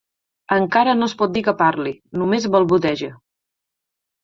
Encara no es pot dir que parli: només balboteja.